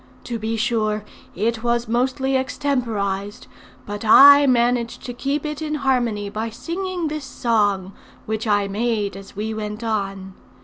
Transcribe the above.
To be sure it was mostly extemporized; but I managed to keep it in harmony by singing this song, which I made as we went on.